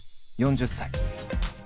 ４０歳。